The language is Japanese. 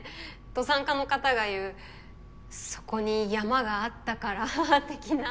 登山家の方が言う「そこに山があったから」的な。